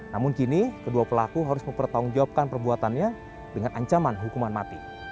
namun kini kedua pelaku harus mempertanggungjawabkan perbuatannya dengan ancaman hukuman mati